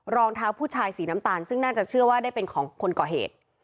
รองเท้าผู้ชายสีน้ำตาลซึ่งน่าจะเชื่อว่าได้เป็นของคนก่อเหตุ